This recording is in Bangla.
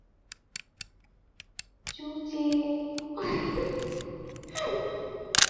চুংচেওংবুক-ডো দক্ষিণ কোরিয়ার একমাত্র ল্যান্ড-লকড প্রদেশ।